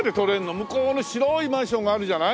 向こうの白いマンションがあるじゃない。